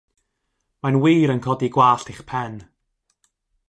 Mae'n wir yn codi gwallt eich pen.